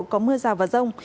có mưa rào và rông